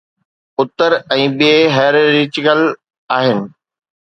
اثر ۽ ٻئي hierarchical آهن.